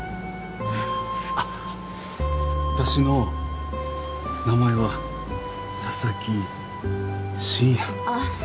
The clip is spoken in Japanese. あっ私の名前は佐々木深夜です。